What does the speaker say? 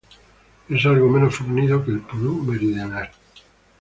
Es algo menos fornido que el pudú meridional.